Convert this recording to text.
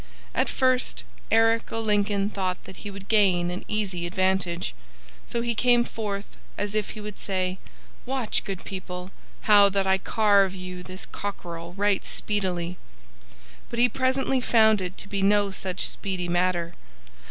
At first Eric o' Lincoln thought that he would gain an easy advantage, so he came forth as if he would say, "Watch, good people, how that I carve you this cockerel right speedily;" but he presently found it to be no such speedy matter.